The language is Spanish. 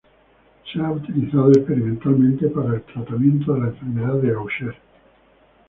Se ha utilizado experimentalmente para el tratamiento de la enfermedad de Gaucher.